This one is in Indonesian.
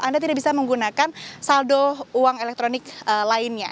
anda tidak bisa menggunakan saldo uang elektronik lainnya